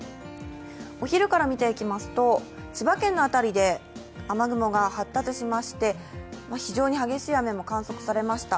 お昼から見ていきますと千葉県の辺りで雨雲が発達しまして非常に激しい雨も観測されました。